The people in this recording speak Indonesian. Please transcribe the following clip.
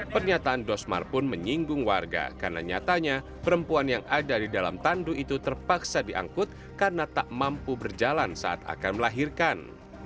pernyataan dosmar pun menyinggung warga karena nyatanya perempuan yang ada di dalam tandu itu terpaksa diangkut karena tak mampu berjalan saat akan melahirkan